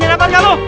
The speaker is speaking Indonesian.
ini apaan kamu